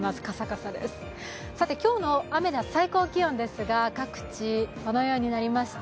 さて、今日のアメダス、最高気温ですが、各地このようになりました。